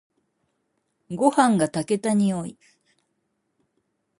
ごはんが炊けた匂い。